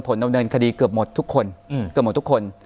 ผลเนินคดีเกือบหมดทุกคน